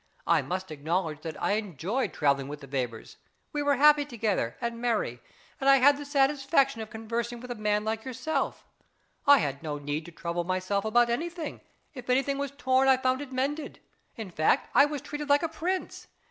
I must acknowledge that I enjoyed travelling with the Webers; we were happy together, and merry; and I had the satisfaction of conversing with a man like yourself. I had no need to trouble myself about anything; if anything was torn I found it mended; in fact, I was treated like a prince.